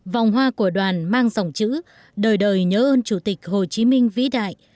vòng hoa của đoàn mang dòng chữ đời đời nhớ ơn chủ tịch hồ chí minh vĩ đại